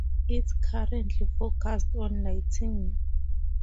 It's currently focused on lighting